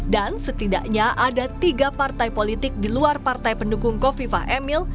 dan setidaknya ada tiga partai politik di luar partai pendukung kofifah emil